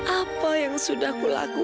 apa yang sudah aku lakukan